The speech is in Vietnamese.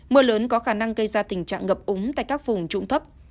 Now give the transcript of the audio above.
mưa lớn có khả năng gây ra tình trạng ngập úng tại các vùng trụng thấp